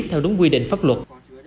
theo đúng quy định pháp luật